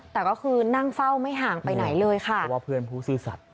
แต่ก็คือนั่งเฝ้าไม่ห่างไปไหนเลยค่ะเพราะว่าเพื่อนผู้ซื่อสัตว